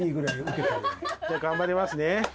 頑張りますね。